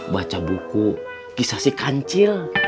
baca buku kisah sikancil